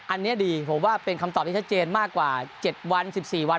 อันนี้ดีผมว่าเป็นคำตอบที่ชัดเจนมากกว่า๗วัน๑๔วัน